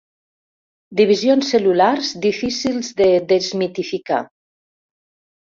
Divisions cel·lulars difícils de desmitificar.